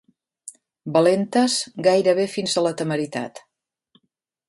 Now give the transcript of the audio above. Valentes gairebé fins a la temeritat.